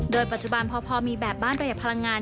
โดยปัจจุบันพอมีแบบบ้านประหยัดพลังงาน